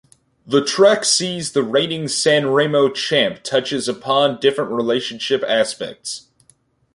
The track sees the reigning Sanremo champ touches upon different relationship aspects.